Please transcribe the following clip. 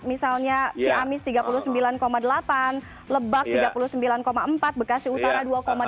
misalnya ciamis tiga puluh sembilan delapan lebak tiga puluh sembilan empat bekasi utara dua delapan